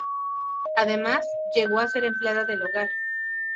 Además, llegó a ser empleada del hogar.